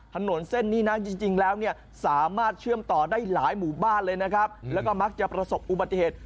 ถนนเส้นนี้นะจริงแล้วเนี่ยสามารถเชื่อมต่อได้หลายหมู่บ้านเลยนะครับแล้วก็มักจะประสบอุบัติเหตุ